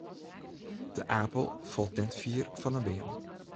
De apel falt net fier fan 'e beam.